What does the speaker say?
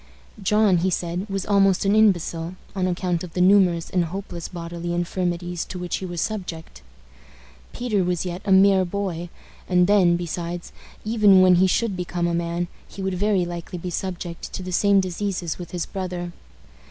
John, he said, was almost an imbecile, on account of the numerous and hopeless bodily infirmities to which he was subject. Peter was yet a mere boy; and then, besides, even when he should become a man, he would very likely be subject to the same diseases with his brother.